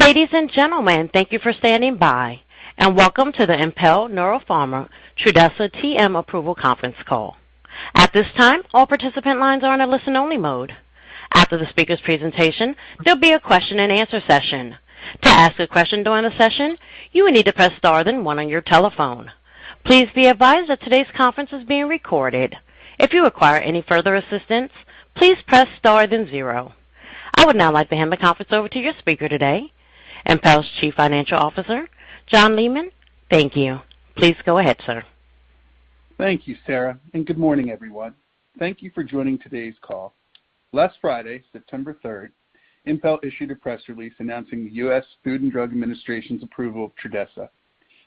Ladies and gentlemen, thank you for standing by, and welcome to the Impel Pharmaceuticals TRUDHESA Approval conference call. At this time, all participant lines are in a listen-only mode. After the speaker's presentation, there will be a question and answer session. To ask a question during the session, you will need to press star then one on your telephone. Please be advised that today's conference is being recorded. If you require any further assistance, please press star then zero. I would now like to hand the conference over to your speaker today, Impel's Chief Financial Officer, John Leaman. Thank you. Please go ahead, sir. Thank you, Sarah, and good morning, everyone. Thank you for joining today's call. Last Friday, September 3rd, Impel issued a press release announcing the U.S. Food and Drug Administration's approval of Trudhesa.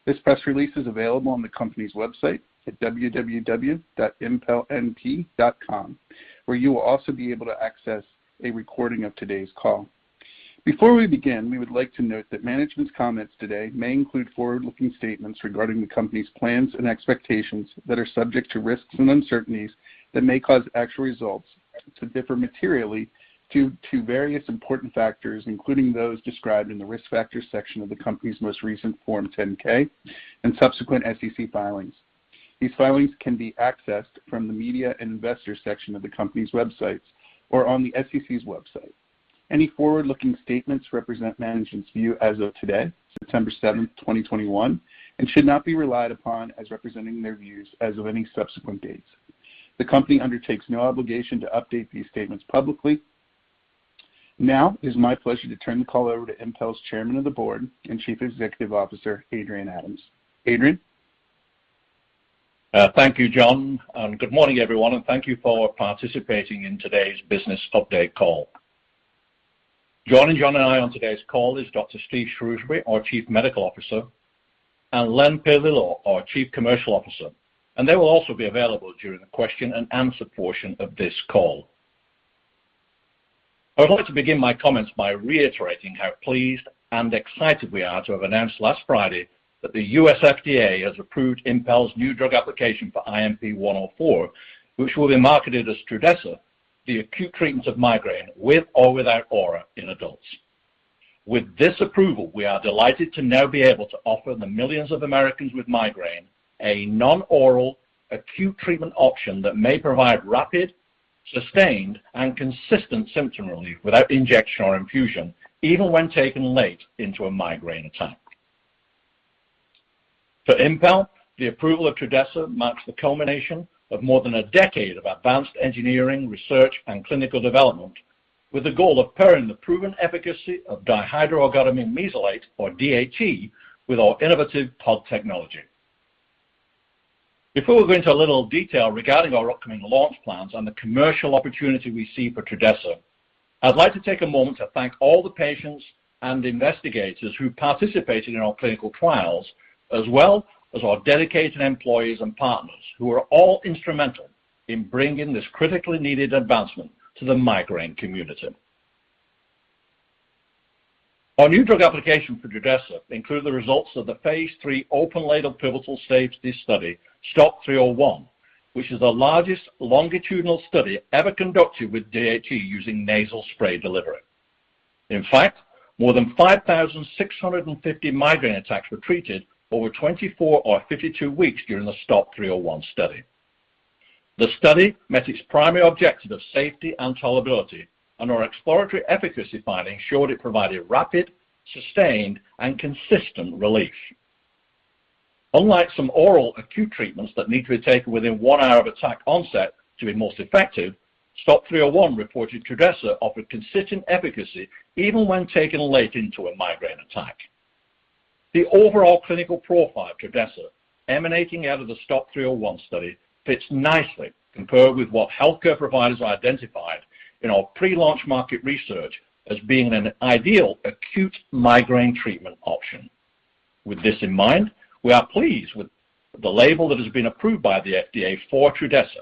This press release is available on the company's website at www.impelnp.com, where you will also be able to access a recording of today's call. Before we begin, we would like to note that management's comments today may include forward-looking statements regarding the company's plans and expectations that are subject to risks and uncertainties that may cause actual results to differ materially due to various important factors, including those described in the risk factors section of the company's most recent Form 10-K and subsequent SEC filings. These filings can be accessed from the media and investor section of the company's websites or on the SEC's website. Any forward-looking statements represent management's view as of today, September 7th, 2021, and should not be relied upon as representing their views as of any subsequent dates. The company undertakes no obligation to update these statements publicly. Now, it is my pleasure to turn the call over to Impel's Chairman of the Board and Chief Executive Officer, Adrian Adams. Adrian? Thank you, John. Good morning, everyone, and thank you for participating in today's business update call. Joining John and I on today's call is Dr. Steve Shrewsbury, our Chief Medical Officer, and Len Paolillo, our Chief Commercial Officer, and they will also be available during the question and answer portion of this call. I would like to begin my comments by reiterating how pleased and excited we are to have announced last Friday that the U.S. FDA has approved Impel's new drug application for INP-104, which will be marketed as Trudhesa, the acute treatment of migraine with or without aura in adults. With this approval, we are delighted to now be able to offer the millions of Americans with migraine a non-oral acute treatment option that may provide rapid, sustained, and consistent symptom relief without injection or infusion, even when taken late into a migraine attack. For Impel, the approval of TRUDHESA marks the culmination of more than one decade of advanced engineering, research, and clinical development with the goal of pairing the proven efficacy of dihydroergotamine mesylate, or DHE, with our innovative POD technology. Before we go into a little detail regarding our upcoming launch plans and the commercial opportunity we see for Trudhesa, I'd like to take a moment to thank all the patients and investigators who participated in our clinical trials, as well as our dedicated employees and partners who are all instrumental in bringing this critically needed advancement to the migraine community. Our new drug application for Trudhesa includes the results of the phase III open label pivotal stage D study, STOP-301, which is the largest longitudinal study ever conducted with DHE using nasal spray delivery. In fact, more than 5,650 migraine attacks were treated over 24 or 52 weeks during the STOP-301 study. The study met its primary objective of safety and tolerability, and our exploratory efficacy findings showed it provided rapid, sustained, and consistent relief. Unlike some oral acute treatments that need to be taken within one hour of attack onset to be most effective, STOP-301 reported Trudhesa offered consistent efficacy even when taken late into a migraine attack. The overall clinical profile of Trudhesa emanating out of the STOP-301 study fits nicely compared with what healthcare providers identified in our pre-launch market research as being an ideal acute migraine treatment option. With this in mind, we are pleased with the label that has been approved by the FDA for TRUDHESA.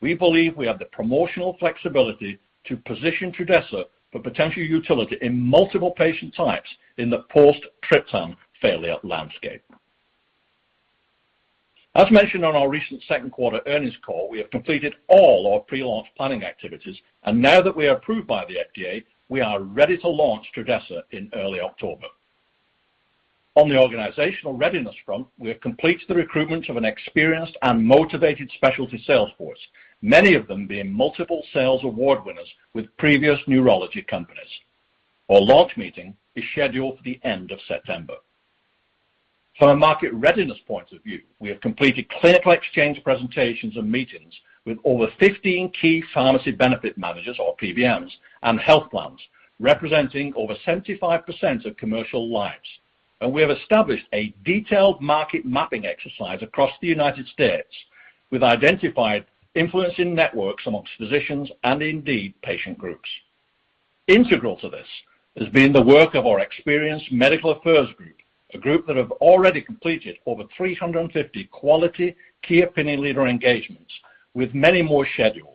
We believe we have the promotional flexibility to position Trudhesa for potential utility in multiple patient types in the post-triptan failure landscape. As mentioned on our recent second quarter earnings call, we have completed all our pre-launch planning activities, and now that we are approved by the FDA, we are ready to launch Trudhesa in early October. On the organizational readiness front, we have completed the recruitment of an experienced and motivated specialty sales force, many of them being multiple sales award winners with previous neurology companies. Our launch meeting is scheduled for the end of September. From a market readiness point of view, we have completed critical exchange presentations and meetings with over 15 key pharmacy benefit managers or PBMs and health plans representing over 75% of commercial lives, and we have established a detailed market mapping exercise across the U.S. We've identified influencing networks amongst physicians and indeed patient groups. Integral to this has been the work of our experienced medical affairs group, a group that have already completed over 350 quality key opinion leader engagements with many more scheduled.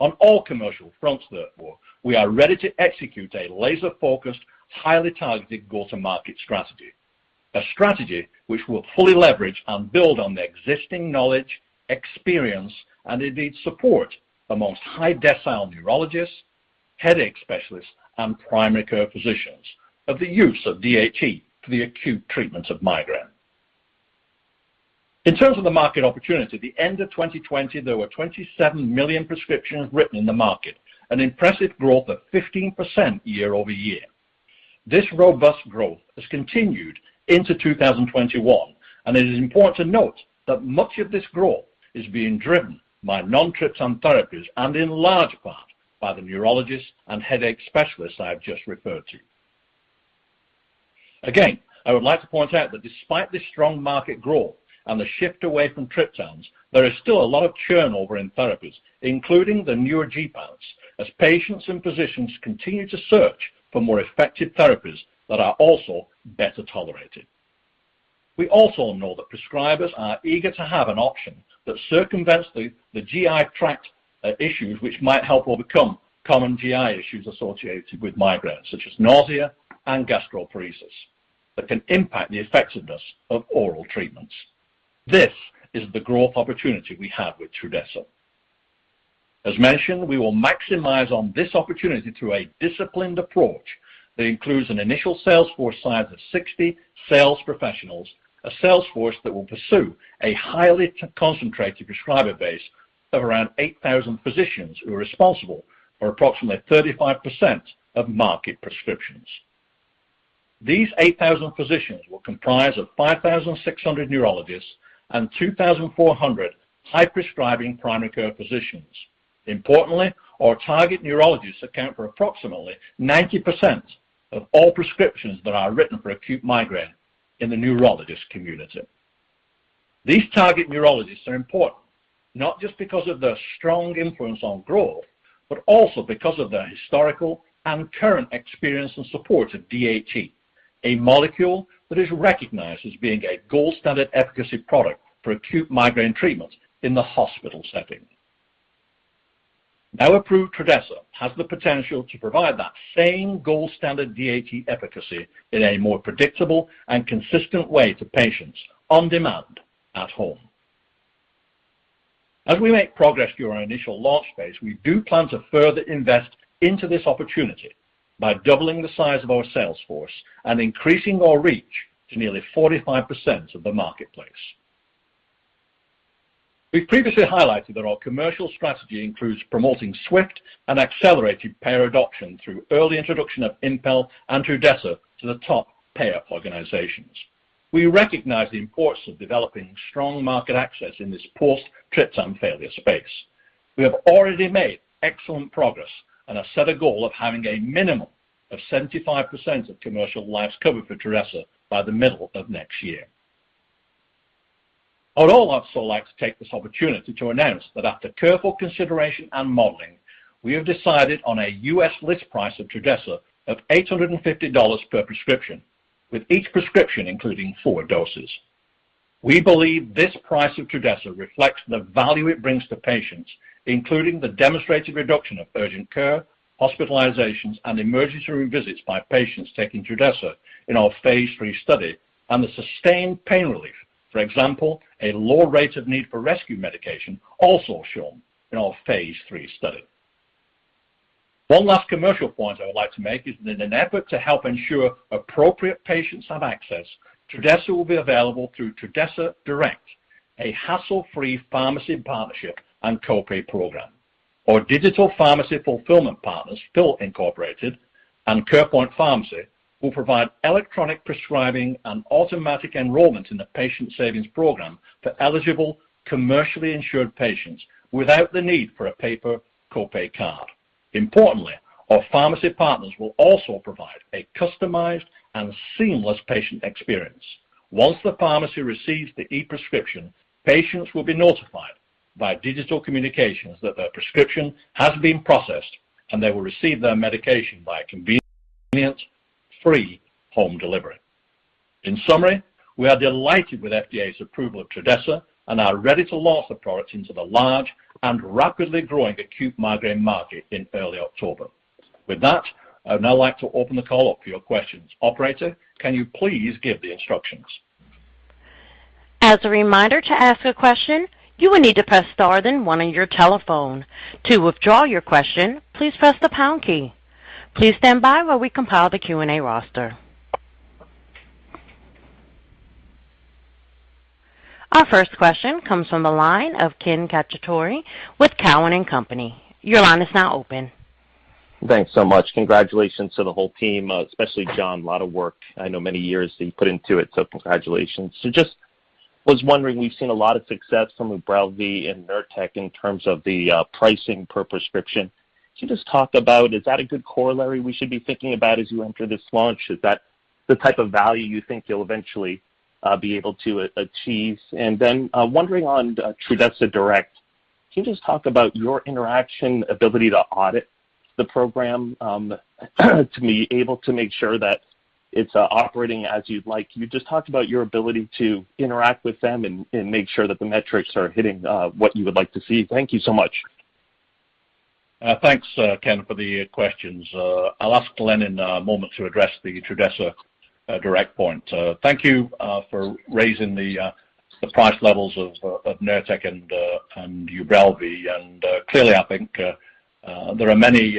On all commercial fronts, therefore, we are ready to execute a laser-focused, highly targeted go-to-market strategy, a strategy which will fully leverage and build on the existing knowledge, experience, and indeed support amongst high decile neurologists, headache specialists, and primary care physicians of the use of DHE for the acute treatment of migraine. In terms of the market opportunity, at the end of 2020, there were 27 million prescriptions written in the market, an impressive growth of 15% year-over-year. This robust growth has continued into 2021, and it is important to note that much of this growth is being driven by non-triptan therapies and in large part by the neurologists and headache specialists I have just referred to. Again, I would like to point out that despite this strong market growth and the shift away from triptans, there is still a lot of churn over in therapies, including the newer gepants, as patients and physicians continue to search for more effective therapies that are also better tolerated. We also know that prescribers are eager to have an option that circumvents the GI tract issues, which might help overcome common GI issues associated with migraines, such as nausea and gastroparesis, that can impact the effectiveness of oral treatments. This is the growth opportunity we have with Trudhesa. As mentioned, we will maximize on this opportunity through a disciplined approach that includes an initial sales force size of 60 sales professionals, a sales force that will pursue a highly concentrated prescriber base of around 8,000 physicians who are responsible for approximately 35% of market prescriptions. These 8,000 physicians will comprise of 5,600 neurologists and 2,400 high-prescribing primary care physicians. Importantly, our target neurologists account for approximately 90% of all prescriptions that are written for acute migraine in the neurologist community. These target neurologists are important, not just because of their strong influence on growth, but also because of their historical and current experience and support of DHE, a molecule that is recognized as being a gold standard efficacy product for acute migraine treatment in the hospital setting. Now approved Trudhesa has the potential to provide that same gold standard DHE efficacy in a more predictable and consistent way to patients on demand at home. As we make progress through our initial launch phase, we do plan to further invest into this opportunity by doubling the size of our sales force and increasing our reach to nearly 45% of the marketplace. We've previously highlighted that our commercial strategy includes promoting swift and accelerated payer adoption through early introduction of Impel and Trudhesa to the top payer organizations. We recognize the importance of developing strong market access in this post triptan failure space. We have already made excellent progress and have set a goal of having a minimum of 75% of commercial lives covered for Trudhesa by the middle of next year. I would also like to take this opportunity to announce that after careful consideration and modeling, we have decided on a U.S. list price of Trudhesa of $850 per prescription, with each prescription including four doses. We believe this price of Trudhesa reflects the value it brings to patients, including the demonstrated reduction of urgent care, hospitalizations, and emergency room visits by patients taking Trudhesa in our phase III study and the sustained pain relief. For example, a lower rate of need for rescue medication, also shown in our phase III study. One last commercial point I would like to make is that in an effort to help ensure appropriate patients have access, Trudhesa will be available through Trudhesa Direct, a hassle-free pharmacy partnership and co-pay program. Our digital pharmacy fulfillment partners, PHIL Inc. and CarePoint Pharmacy, will provide electronic prescribing and automatic enrollment in the patient savings program for eligible commercially insured patients without the need for a paper co-pay card. Importantly, our pharmacy partners will also provide a customized and seamless patient experience. Once the pharmacy receives the e-prescription, patients will be notified by digital communications that their prescription has been processed, and they will receive their medication by a convenient free home delivery. In summary, we are delighted with FDA's approval of Trudhesa and are ready to launch the product into the large and rapidly growing acute migraine market in early October. With that, I would now like to open the call up for your questions. Operator, can you please give the instructions? As a reminder, to ask a question, you will need to press star then one on your telephone. To withdraw your question, please press the pound key. Please stand by while we compile the Q&A roster. Our first question comes from the line of Ken Cacciatore with Cowen and Company. Your line is now open. Thanks so much. Congratulations to the whole team, especially John. A lot of work, I know many years that you put into it, congratulations. Just was wondering, we've seen a lot of success from UBRELVY and Nurtec in terms of the pricing per prescription. Can you just talk about is that a good corollary we should be thinking about as you enter this launch? Is that the type of value you think you'll eventually be able to achieve? Wondering on Trudhesa Direct, can you just talk about your interaction ability to audit the program to be able to make sure that it's operating as you'd like? You just talked about your ability to interact with them and make sure that the metrics are hitting what you would like to see. Thank you so much. Thanks, Ken, for the questions. I'll ask Len in a moment to address the Trudhesa Direct point. Thank you for raising the price levels of Nurtec and UBRELVY. Clearly, I think there are many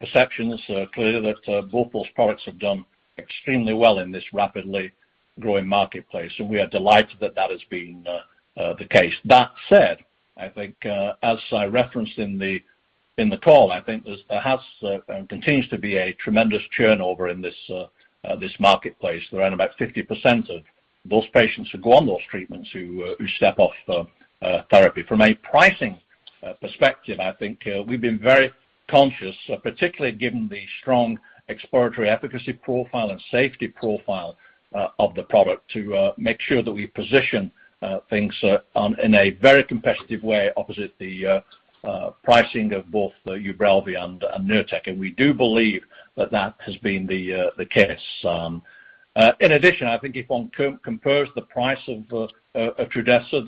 perceptions clear that both those products have done extremely well in this rapidly growing marketplace, and we are delighted that has been the case. That said, I think, as I referenced in the call, I think there has and continues to be a tremendous turnover in this marketplace. Around about 50% of those patients who go on those treatments who step off therapy. From a pricing perspective, I think we've been very conscious, particularly given the strong exploratory efficacy profile and safety profile of the product, to make sure that we position things in a very competitive way opposite the pricing of both UBRELVY and Nurtec. We do believe that has been the case. In addition, I think if one compares the price of Trudhesa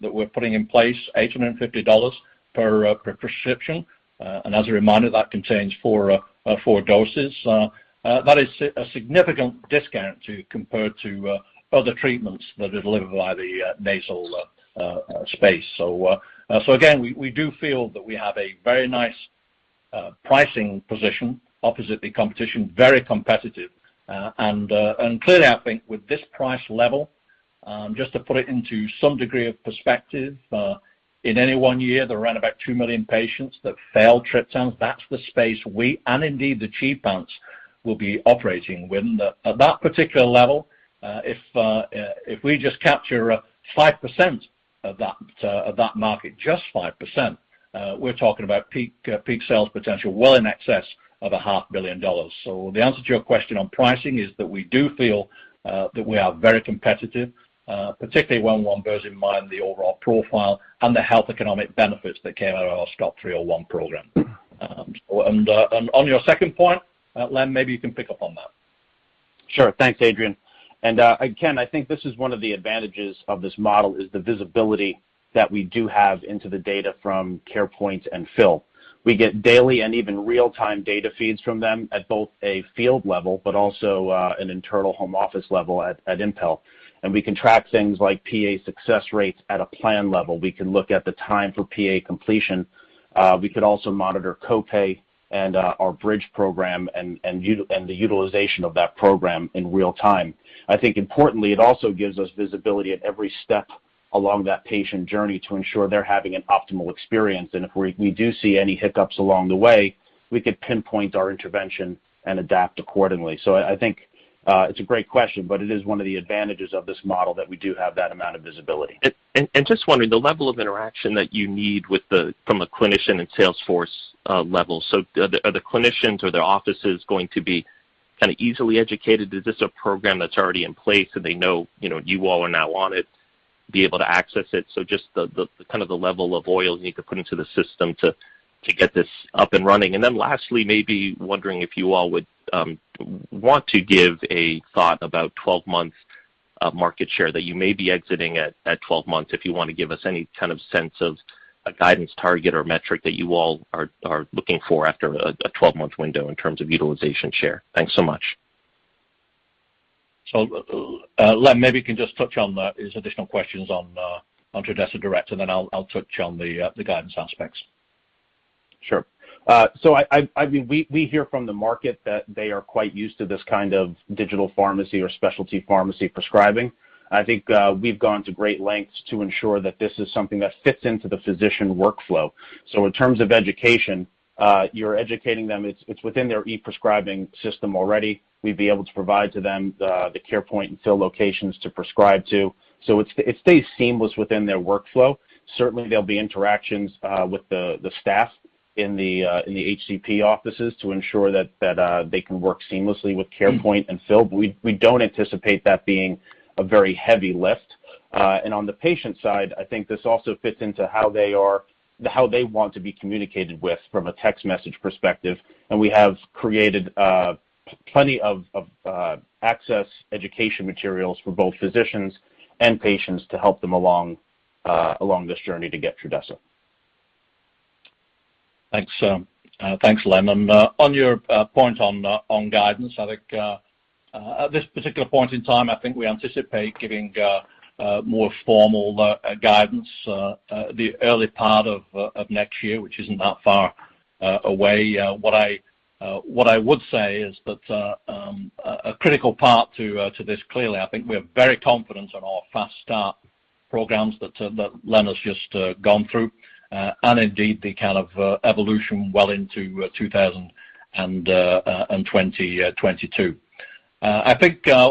that we're putting in place, $850 per prescription, and as a reminder, that contains four doses. That is a significant discount compared to other treatments that are delivered via the nasal space. Again, we do feel that we have a very nice pricing position opposite the competition, very competitive. Clearly, I think with this price level, just to put it into some degree of perspective, in any one year, there are around about 2 million patients that fail triptans. That's the space we, and indeed the gepants will be operating within. At that particular level, if we just capture 5% of that market, just 5%, we're talking about peak sales potential well in excess of a half billion dollars. The answer to your question on pricing is that we do feel that we are very competitive, particularly when one bears in mind the overall profile and the health economic benefits that came out of our STOP-301 program. On your second point, Len, maybe you can pick up on that. Sure. Thanks, Adrian. Ken, I think this is one of the advantages of this model is the visibility that we do have into the data from CarePoint and PHIL. We get daily and even real-time data feeds from them at both a field level but also an internal home office level at Impel. We can track things like PA success rates at a plan level. We can look at the time for PA completion. We could also monitor co-pay and our bridge program and the utilization of that program in real time. I think importantly, it also gives us visibility at every step along that patient journey to ensure they're having an optimal experience. If we do see any hiccups along the way, we could pinpoint our intervention and adapt accordingly. I think it's a great question, but it is one of the advantages of this model that we do have that amount of visibility. Just wondering, the level of interaction that you need from a clinician and sales force level. Are the clinicians or their offices going to be easily educated? Is this a program that's already in place and they know you all are now on it, be able to access it? Just the level of oil you need to put into the system to get this up and running. Then lastly, maybe wondering if you all would want to give a thought about 12 months of market share that you may be exiting at 12 months, if you want to give us any kind of sense of a guidance target or metric that you all are looking for after a 12-month window in terms of utilization share. Thanks so much. Len, maybe you can just touch on his additional questions on Trudhesa Direct, and then I'll touch on the guidance aspects. Sure. We hear from the market that they are quite used to this kind of digital pharmacy or specialty pharmacy prescribing. I think we've gone to great lengths to ensure that this is something that fits into the physician workflow. In terms of education, you're educating them. It's within their e-prescribing system already. We'd be able to provide to them the CarePoint and PHIL Inc. locations to prescribe to. It stays seamless within their workflow. Certainly, there'll be interactions with the staff in the HCP offices to ensure that they can work seamlessly with CarePoint and PHIL Inc., but we don't anticipate that being a very heavy lift. On the patient side, I think this also fits into how they want to be communicated with from a text message perspective. We have created plenty of access education materials for both physicians and patients to help them along this journey to get Trudhesa. Thanks, Len. On your point on guidance, at this particular point in time, we anticipate giving more formal guidance the early part of next year, which isn't that far away. What I would say is that a critical part to this, clearly, we are very confident on our fast start programs that Len has just gone through, and indeed, the kind of evolution well into 2022.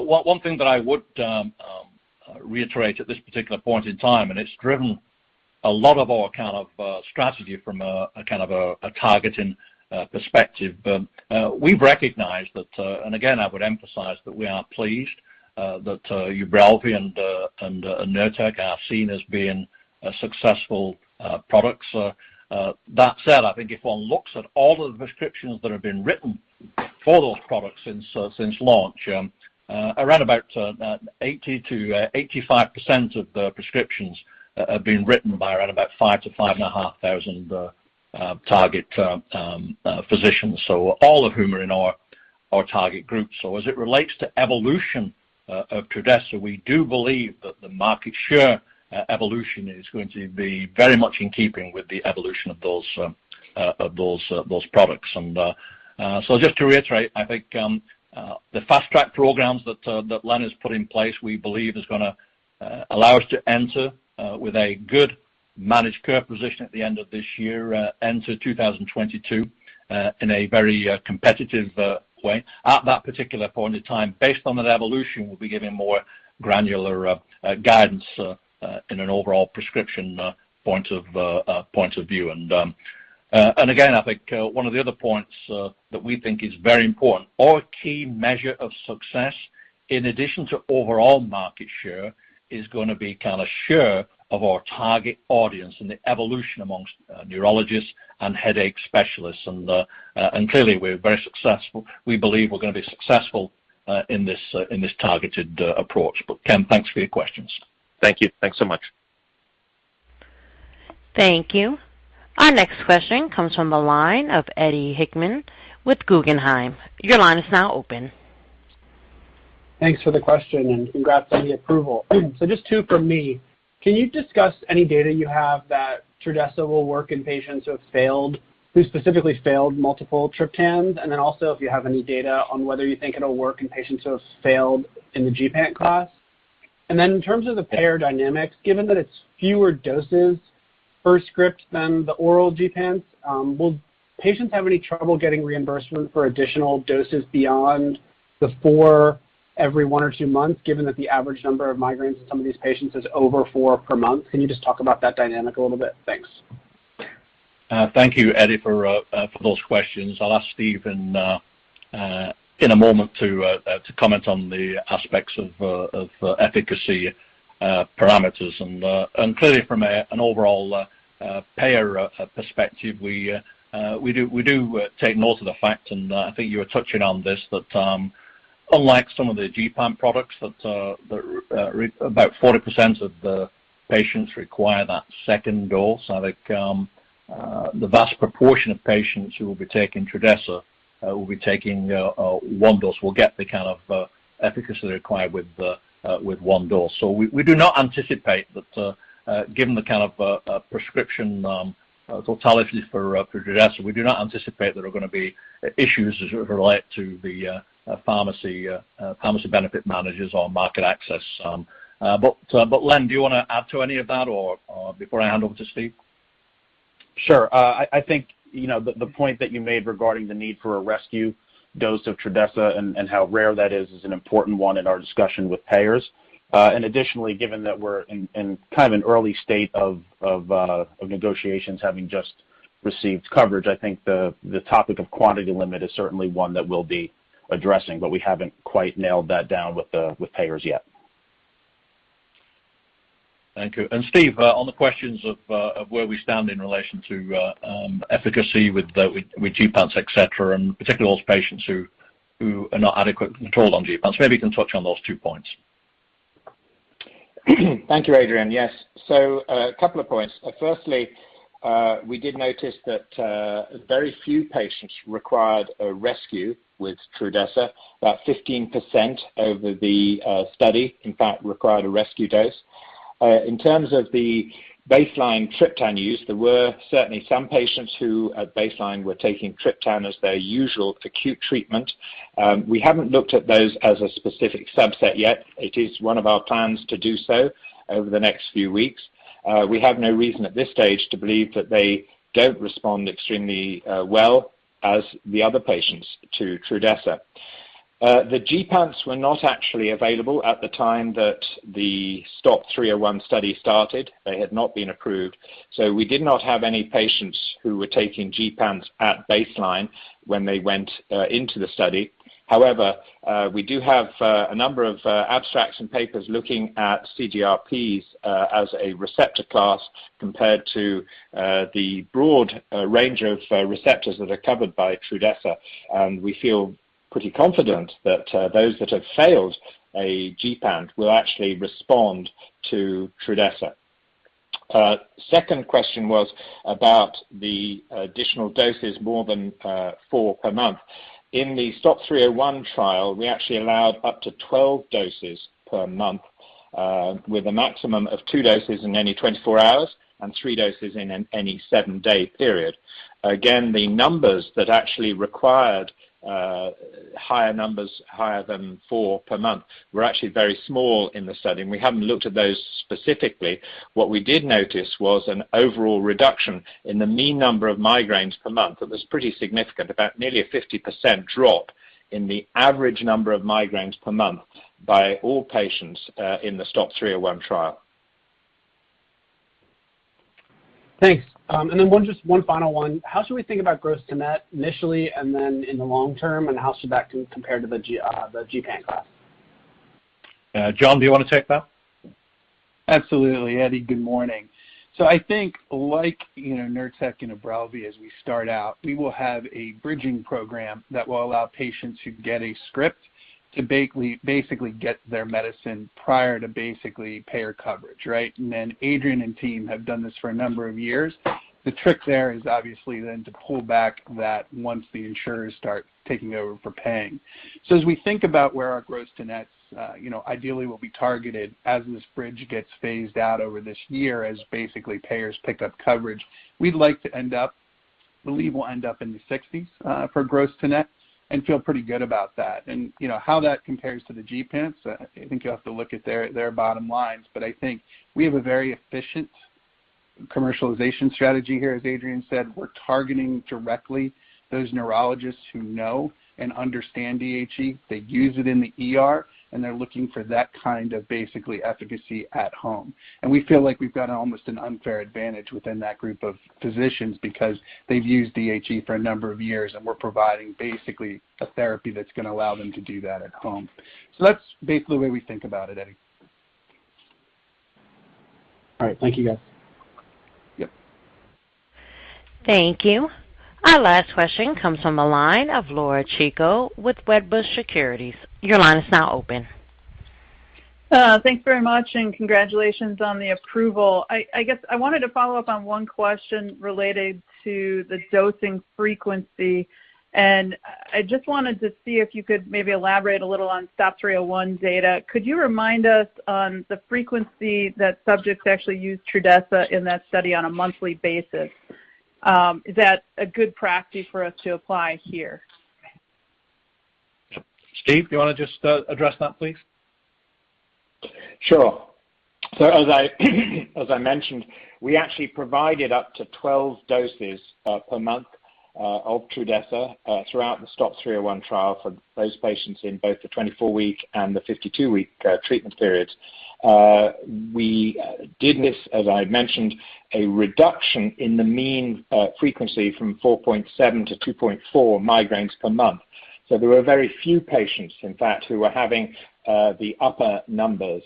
One thing that I would reiterate at this particular point in time, it's driven a lot of our kind of strategy from a targeting perspective. We've recognized that. Again, I would emphasize that we are pleased that UBRELVY and Nurtec are seen as being successful products. That said, if one looks at all the prescriptions that have been written for those products since launch. Around 80%-85% of the prescriptions have been written by around 5,000-5,500 target physicians, all of whom are in our target group. As it relates to evolution of Trudhesa, we do believe that the market share evolution is going to be very much in keeping with the evolution of those products. Just to reiterate, I think the fast-track programs that Len has put in place, we believe is going to allow us to enter with a good managed care position at the end of this year, enter 2022 in a very competitive way. At that particular point in time, based on that evolution, we'll be giving more granular guidance in an overall prescription point of view. Again, I think one of the other points that we think is very important, our key measure of success, in addition to overall market share, is going to be share of our target audience and the evolution amongst neurologists and headache specialists. Clearly, we believe we're going to be successful in this targeted approach. Ken, thanks for your questions. Thank you. Thanks so much. Thank you. Our next question comes from the line of Eddie Hickman with Guggenheim. Your line is now open. Thanks for the question and congrats on the approval. Just two from me. Can you discuss any data you have that Trudhesa will work in patients who have failed, who specifically failed multiple triptans? Also if you have any data on whether you think it'll work in patients who have failed in the gepant class. In terms of the payer dynamics, given that it's fewer doses per script than the oral gepants, will patients have any trouble getting reimbursement for additional doses beyond the four every one or two months, given that the average number of migraines in some of these patients is over four per month? Can you just talk about that dynamic a little bit? Thanks. Thank you, Eddie, for those questions. I'll ask Stephen in a moment to comment on the aspects of efficacy parameters. Clearly from an overall payer perspective, we do take note of the fact, and I think you were touching on this, that unlike some of the gepant products, about 40% of the patients require that second dose. I think the vast proportion of patients who will be taking Trudhesa will be taking one dose, will get the kind of efficacy required with one dose. We do not anticipate that, given the kind of prescription totality for Trudhesa, we do not anticipate there are going to be issues as it relate to the pharmacy benefit managers or market access. Len, do you want to add to any of that before I hand over to Stephen? Sure. I think the point that you made regarding the need for a rescue dose of Trudhesa and how rare that is an important one in our discussion with payers. Additionally, given that we're in an early state of negotiations having just received coverage, I think the topic of quantity limit is certainly one that we'll be addressing. We haven't quite nailed that down with payers yet. Thank you. Steve, on the questions of where we stand in relation to efficacy with gepants, et cetera, and particularly those patients who are not adequate controlled on gepants. Maybe you can touch on those two points? Thank you, Adrian. Yes. A couple of points. Firstly, we did notice that very few patients required a rescue with Trudhesa. About 15% over the study, in fact, required a rescue dose. In terms of the baseline triptan use, there were certainly some patients who at baseline were taking triptan as their usual acute treatment. We haven't looked at those as a specific subset yet. It is one of our plans to do so over the next few weeks. We have no reason at this stage to believe that they don't respond extremely well as the other patients to Trudhesa. The gepants were not actually available at the time that the STOP-301 study started. They had not been approved. We did not have any patients who were taking gepants at baseline when they went into the study. However, we do have a number of abstracts and papers looking at CGRPs as a receptor class compared to the broad range of receptors that are covered by Trudhesa. We feel pretty confident that those that have failed a gepant will actually respond to Trudhesa. Second question was about the additional doses, more than four per month. In the STOP-301 trial, we actually allowed up to 12 doses per month with a maximum of two doses in any 24 hours and three doses in any seven-day period. The numbers that actually required higher numbers, higher than four per month, were actually very small in the study, and we haven't looked at those specifically. What we did notice was an overall reduction in the mean number of migraines per month that was pretty significant, about nearly a 50% drop in the average number of migraines per month by all patients in the STOP-301 trial. Thanks. Just 1 final one. How should we think about gross to net initially and then in the long term, and how should that compare to the gepant class? John, do you want to take that? Absolutely, Eddie. Good morning. I think like Nurtec ODT and UBRELVY, as we start out, we will have a bridging program that will allow patients who get a script to basically get their medicine prior to basically payer coverage. Right. Adrian and team have done this for a number of years. The trick there is obviously then to pull back that once the insurers start taking over for paying. As we think about where our gross to net ideally will be targeted as this bridge gets phased out over this year as basically payers pick up coverage, we believe we'll end up in the 60s for gross to net and feel pretty good about that. How that compares to the gepants, I think you'll have to look at their bottom lines. I think we have a very efficient commercialization strategy here, as Adrian said. We're targeting directly those neurologists who know and understand DHE. They use it in the ER, and they're looking for that kind of basically efficacy at home. We feel like we've got almost an unfair advantage within that group of physicians because they've used DHE for a number of years, and we're providing basically a therapy that's going to allow them to do that at home. That's basically the way we think about it, Eddie. All right. Thank you, guys. Yep. Thank you. Our last question comes from the line of Laura Chico with Wedbush Securities. Your line is now open. Thanks very much, and congratulations on the approval. I guess I wanted to follow up on one question related to the dosing frequency, and I just wanted to see if you could maybe elaborate a little on STOP-301 data. Could you remind us on the frequency that subjects actually used Trudhesa in that study on a monthly basis? Is that a good practice for us to apply here? Steve, do you want to just address that, please? Sure. As I mentioned, we actually provided up to 12 doses per month of Trudhesa throughout the STOP-301 trial for those patients in both the 24-week and the 52-week treatment periods. We did miss, as I mentioned, a reduction in the mean frequency from 4.7 to 2.4 migraines per month. There were very few patients, in fact, who were having the upper numbers,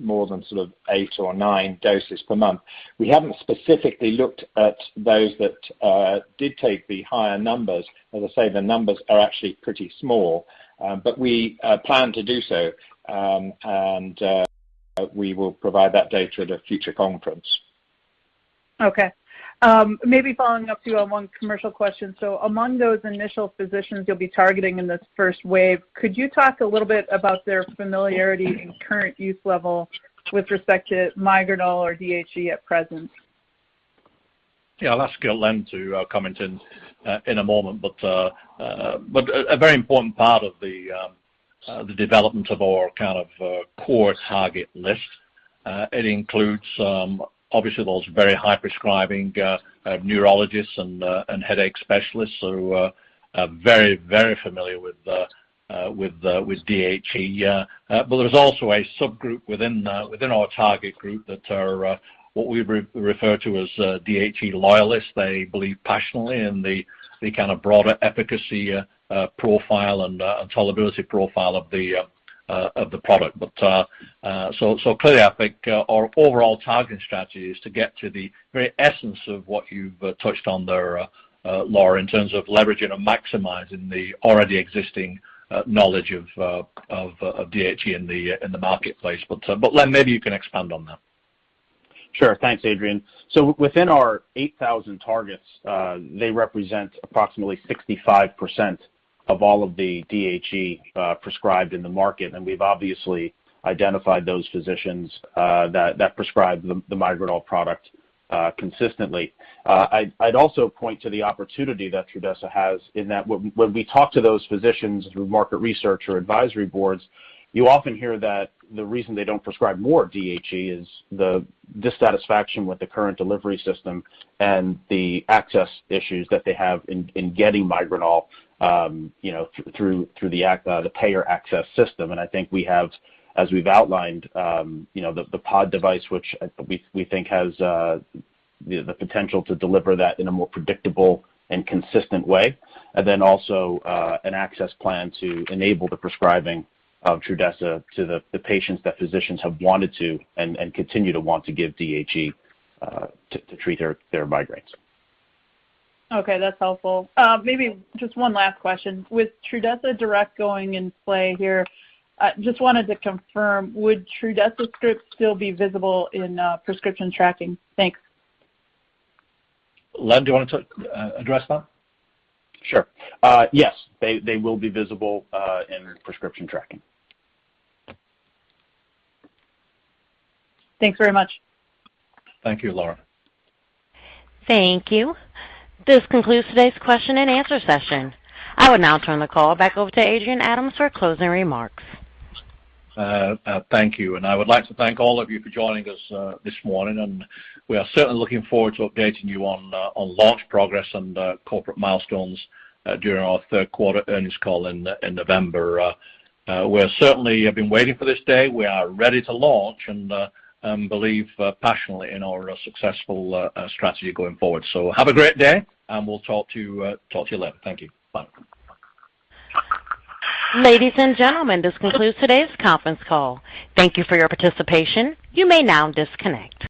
more than sort of eight or nine doses per month. We haven't specifically looked at those that did take the higher numbers. As I say, the numbers are actually pretty small. We plan to do so, and we will provide that data at a future conference. Maybe following up too on one commercial question. Among those initial physicians you'll be targeting in this first wave, could you talk a little bit about their familiarity and current use level with respect to Migranal or DHE at present? Yeah, I'll ask Len to comment in a moment. A very important part of the development of our kind of core target list, it includes, obviously, those very high-prescribing neurologists and headache specialists who are very familiar with DHE. There's also a subgroup within our target group that are what we refer to as DHE loyalists. They believe passionately in the kind of broader efficacy profile and tolerability profile of the product. Clearly, I think our overall target strategy is to get to the very essence of what you've touched on there, Laura, in terms of leveraging and maximizing the already existing knowledge of DHE in the marketplace. Len, maybe you can expand on that. Thanks, Adrian. Within our 8,000 targets, they represent approximately 65% of all of the DHE prescribed in the market, and we've obviously identified those physicians that prescribe the Migranal product consistently. I'd also point to the opportunity that Trudhesa has in that when we talk to those physicians through market research or advisory boards, you often hear that the reason they don't prescribe more DHE is the dissatisfaction with the current delivery system and the access issues that they have in getting Migranal through the payer access system. I think we have, as we've outlined, the POD device, which we think has the potential to deliver that in a more predictable and consistent way, and then also an access plan to enable the prescribing of Trudhesa to the patients that physicians have wanted to and continue to want to give DHE to treat their migraines. Okay, that's helpful. Maybe just one last question. With Trudhesa Direct going in play here, just wanted to confirm, would Trudhesa scripts still be visible in prescription tracking? Thanks. Len, do you want to address that? Sure. Yes, they will be visible in prescription tracking. Thanks very much. Thank you, Laura. Thank you. This concludes today's question and answer session. I would now turn the call back over to Adrian Adams for closing remarks. Thank you, and I would like to thank all of you for joining us this morning, and we are certainly looking forward to updating you on launch progress and corporate milestones during our third quarter earnings call in November. We certainly have been waiting for this day. We are ready to launch and believe passionately in our successful strategy going forward. Have a great day, and we'll talk to you later. Thank you. Bye. Ladies and gentlemen, this concludes today's conference call. Thank you for your participation. You may now disconnect.